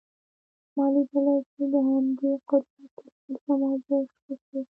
ما لیدلي چې د همدې قدرت پر مټ زما زوی ښه شو